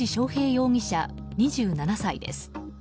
容疑者、２７歳です。